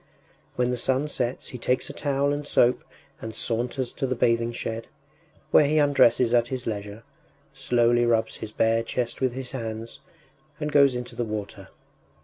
When the sun sets he takes a towel and soap and saunters to the bathing shed, where he undresses at his leisure, slowly rubs his bare chest with his hands, and goes into the water.